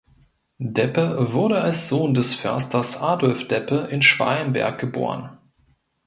Deppe wurde als Sohn des Försters Adolf Deppe in Schwalenberg geboren.